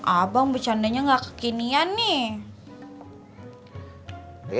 abang bercandanya nggak kekinian nih